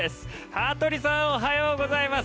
羽鳥さん、おはようございます。